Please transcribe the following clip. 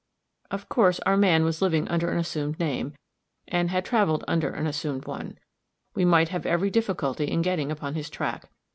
Of course our man was living under an assumed name, and had traveled under an assumed one; we might have every difficulty in getting upon his track.